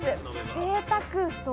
ぜいたく！